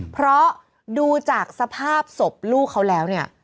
เพราะดูจากสภาพศพลูกเขาแล้วเนี่ย